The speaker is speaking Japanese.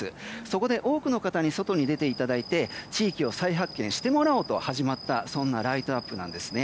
そこで多くの方に外に出ていただいて地域を再発見してもらおうと始まったそんなライトアップなんです。